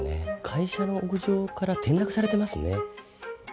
会社の屋上から転落されてますね。